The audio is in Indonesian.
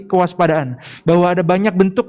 kewaspadaan bahwa ada banyak bentuk